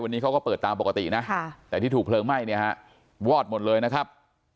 วันนี้เขาก็เปิดตามปกตินะแต่ที่ถูกเพลิงไหม้เนี่ยฮะวอดหมดเลยนะครับ